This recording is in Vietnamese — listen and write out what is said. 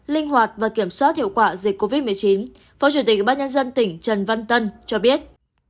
linh hoạt và kiểm soát hiệu quả dịch covid một mươi chín phó chủ tịch ubnd tỉnh trần văn tân cho biết